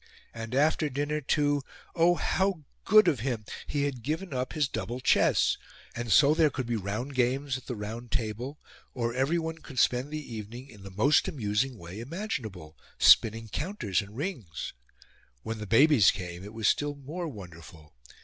And, after dinner, to oh, how good of him! He had given up his double chess! And so there could be round games at the round table, or everyone could spend the evening in the most amusing way imaginable spinning counters and rings.' When the babies came it was still more wonderful.